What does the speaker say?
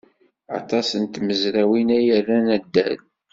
Aṭas n tmezrawin ay iran addal.